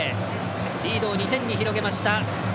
リードを２点に広げました。